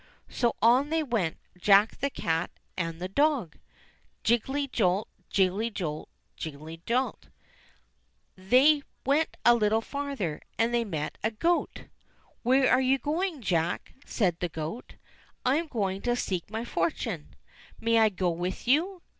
j So on they went, Jack, the cat, and the dog ! Jiggelty ' jolt, jiggelty jolt, jiggelty jolt ! They went a Httle farther and they met a goat. "Where are you going. Jack?" said the goat. ^ "I am going to seek my fortune." "May I go with you